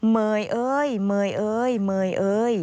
เมย์เอ้ยเมย์เอ้ยเมย์เอ้ย